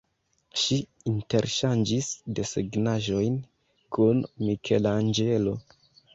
Ŝi interŝanĝis desegnaĵojn kun Mikelanĝelo.